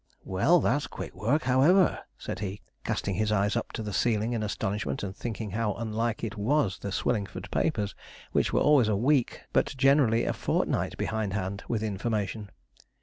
'Well, that's quick work, however,' said he, casting his eyes up to the ceiling in astonishment, and thinking how unlike it was the Swillingford papers, which were always a week, but generally a fortnight behindhand with information.